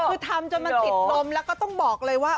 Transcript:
คือทำจนมันติดลมแล้วก็ต้องบอกเลยว่า